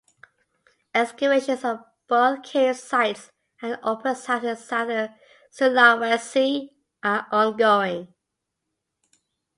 Excavations of both cave sites and open sites in Southern Sulawesi are ongoing.